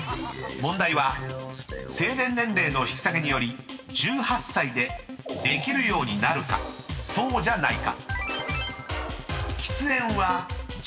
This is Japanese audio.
［問題は成年年齢の引き下げにより１８歳でできるようになるかそうじゃないか］